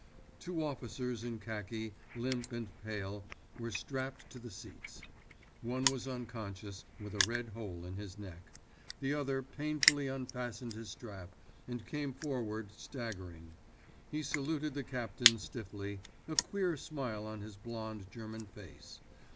Two officers in khaki, limp and pale, were strapped to the seats. One was unconscious, with a red hole in his neck. The other painfully unfastened his strap, and came forward, staggering. He saluted the captain stiffly, a queer smile on his blond German face.